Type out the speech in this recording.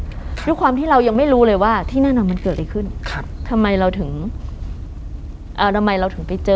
ด้วยความที่เรายังไม่รู้เลยว่าที่แน่นอนมันเกิดอะไรขึ้นครับทำไมเราถึงอ่าทำไมเราถึงไปเจอ